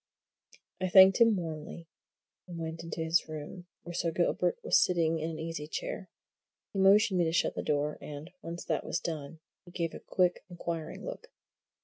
I thanked him warmly, and went into his room, where Sir Gilbert was sitting in an easy chair. He motioned me to shut the door, and, once that was done, he gave a quick, inquiring look.